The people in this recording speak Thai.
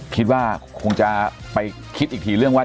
คิดว่าคงจะไปคิดอีกทีเรื่องว่า